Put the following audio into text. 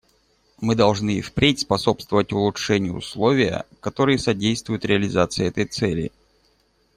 Мы должны и впредь способствовать улучшению условия, которые содействуют реализации этой цели.